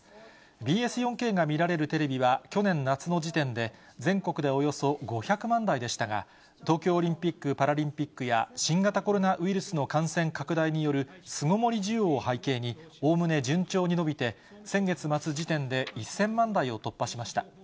ＢＳ４Ｋが見られるテレビは、去年夏の時点で、全国でおよそ５００万台でしたが、東京オリンピック・パラリンピックや新型コロナウイルスの感染拡大による巣ごもり需要を背景に、おおむね順調に伸びて、先月末時点で１０００万台を突破しました。